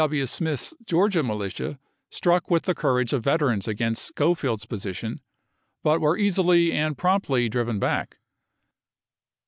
Gr. W. Smith's Georgia militia struck with the courage of veterans against Schofield's position, but were easily and promptly driven back.